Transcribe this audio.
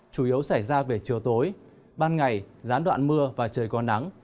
chủ yếu xảy ra về chiều tối ban ngày gián đoạn mưa và trời có nắng